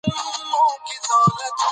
افغانستان د ګاونډیو تمدنونو اغېز لیدلی دی.